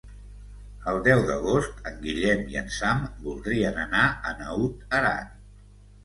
El deu d'agost en Guillem i en Sam voldrien anar a Naut Aran.